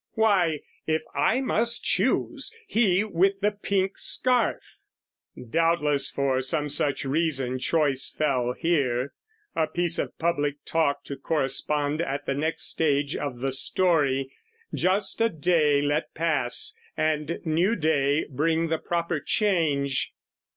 " Why, if I must choose, he with the pink scarf." Doubtless for some such reason choice fell here. A piece of public talk to correspond At the next stage of the story; just a day Let pass and new day bring the proper change.